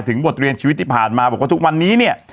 บทเรียนชีวิตที่ผ่านมาบอกว่าทุกวันนี้เนี่ย